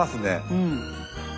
うん。